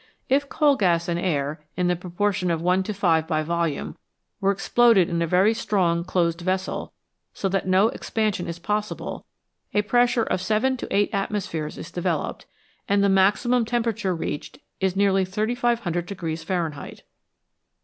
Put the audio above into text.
If coal gas and air, in the proportion of 1 to 5 by volume, are exploded in a very strong closed vessel so that no expansion is possible, a pressure of 7 to 8 atmospheres is developed, and the maxi mum temperature reached is nearly 3500 Fahrenheit.